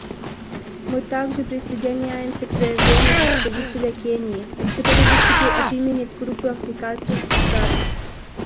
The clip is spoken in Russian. Мы также присоединяемся к заявлению представителя Кении, который выступил от имени Группы африканских государств.